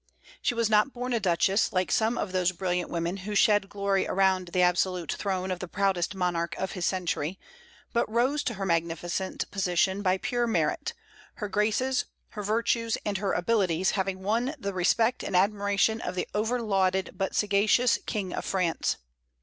She was not born a duchess, like some of those brilliant women who shed glory around the absolute throne of the proudest monarch of his century, but rose to her magnificent position by pure merit, her graces, her virtues, and her abilities having won the respect and admiration of the overlauded but sagacious King of France.